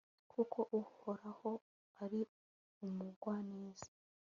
kuko uhoraho ari umugwaneza